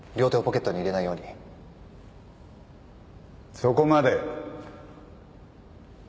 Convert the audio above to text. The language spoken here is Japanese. そこまで。